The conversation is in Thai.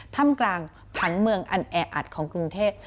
ถ้ำกลางผังเมืองอันแออัดของกรุงเทพ